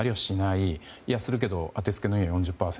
いや、するけど当てつけのように４０％。